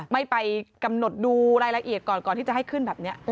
ไม่ไปกำหนดดูรายละเอียดก่อนก่อนที่จะให้ขึ้นแบบนี้